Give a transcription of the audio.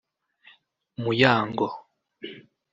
Muyango